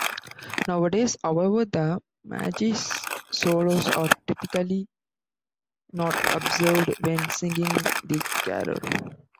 Nowadays, however, the Magi's solos are typically not observed when singing the carol.